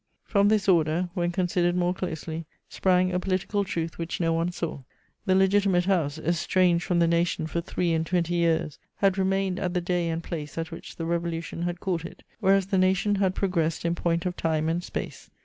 From this order, when considered more closely, sprang a political truth which no one saw: the Legitimate House, estranged from the nation for three and twenty years, had remained at the day and place at which the Revolution had caught it, whereas the nation had progressed in point of time and space.